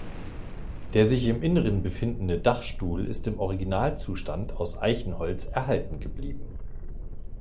Der sich im Inneren befindende Dachstuhl ist im Originalzustand aus Eichenholz erhalten geblieben.